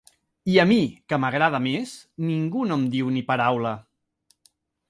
I a mi, que m'agrada més, ningú no em diu ni paraula!